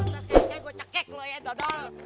terus kaya kaya gue cekik lo ya dodol